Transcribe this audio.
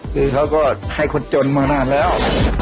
คือเขาก็ให้คนจนมานานแล้ว